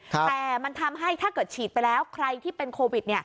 แต่มันทำให้ถ้าเกิดฉีดไปแล้วใครที่เป็นโควิด